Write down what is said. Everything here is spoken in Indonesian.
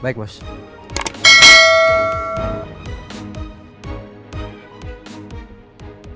terima kasih pak